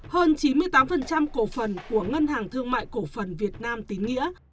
hơn chín mươi tám cổ phần của ngân hàng thương mại cổ phần việt nam tín nghĩa